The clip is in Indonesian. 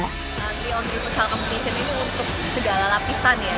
tari on tiga futsal competition ini untuk segala lapisan ya